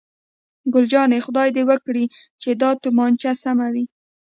ګل جانې: خدای دې وکړي چې دا تومانچه سمه وي.